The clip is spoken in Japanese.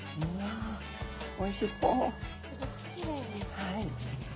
はい！